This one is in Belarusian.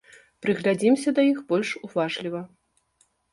Прыглядзімся да іх больш уважліва.